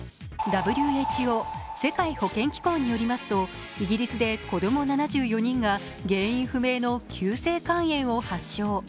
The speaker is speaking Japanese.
ＷＨＯ＝世界保健機構によりますと、イギリスで子供７４人が原因不明の急性肝炎を発症。